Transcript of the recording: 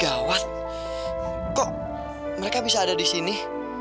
gawat kok mereka bisa ada di sini